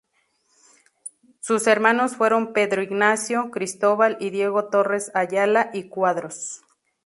Sus hermanos fueron Pedro Ignacio, Cristóbal y Diego Torres Ayala y Quadros.